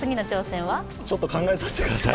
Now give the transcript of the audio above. ちょっと考えさせてください。